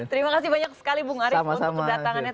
terima kasih banyak sekali bu ngaris untuk kedatangannya